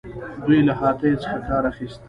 دوی له هاتیو څخه کار اخیست